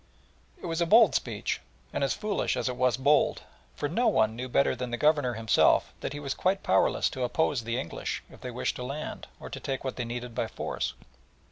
It was a bold speech, and as foolish as it was bold, for no one knew better than the Governor himself that he was quite powerless to oppose the English if they wished to land, or to take what they needed by force.